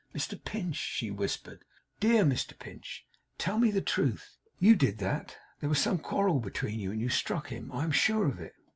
'Mr Pinch,' she whispered. 'Dear Mr Pinch! Tell me the truth! You did that? There was some quarrel between you, and you struck him? I am sure of it!